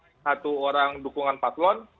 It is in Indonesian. satu orang dukungan paslon